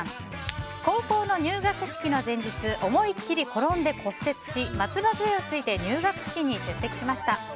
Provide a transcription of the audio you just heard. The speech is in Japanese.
高校の入学式の前日思いっきり転んで骨折し松葉づえをついて入学式に出席しました。